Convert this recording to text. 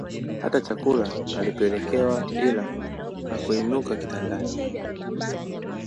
Hata chakula alipelekewa ila hakuinuka kitandani